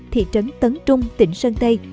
thị trấn tấn trung tỉnh sơn tây